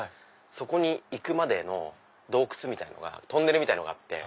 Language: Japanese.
そこに行くまでの洞窟トンネルみたいのがあって。